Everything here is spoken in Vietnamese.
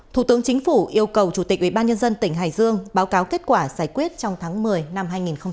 thủ tướng chính phủ yêu cầu chủ tịch ubnd tỉnh hải dương báo cáo kết quả giải quyết trong tháng một mươi năm hai nghìn hai mươi